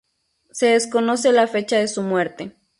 Se desconoce la fecha de su muerte.